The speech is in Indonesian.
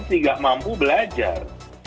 tidak mampu belajar